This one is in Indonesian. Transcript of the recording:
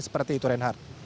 seperti itu renhard